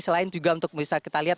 selain juga untuk bisa kita lihat